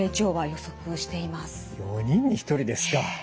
４人に１人ですか。